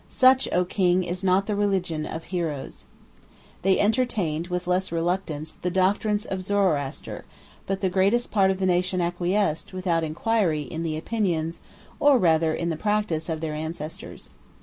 Such, O king! is not the religion of heroes." They entertained, with less reluctance, the doctrines of Zoroaster; but the greatest part of the nation acquiesced, without inquiry, in the opinions, or rather in the practice, of their ancestors.